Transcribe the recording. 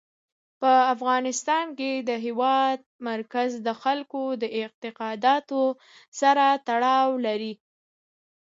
په افغانستان کې د هېواد مرکز د خلکو د اعتقاداتو سره تړاو لري.